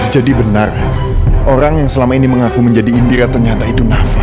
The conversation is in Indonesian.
jadi benar orang yang selama ini mengaku menjadi indira ternyata itu nafa